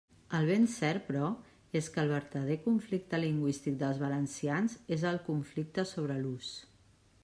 El ben cert, però, és que el vertader conflicte lingüístic dels valencians és el conflicte sobre l'ús.